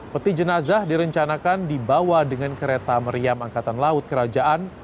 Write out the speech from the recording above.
peti jenazah direncanakan dibawa dengan kereta meriam angkatan laut kerajaan